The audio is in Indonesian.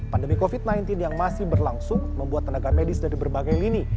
pandemi covid sembilan belas yang masih berlangsung membuat tenaga medis dari berbagai lini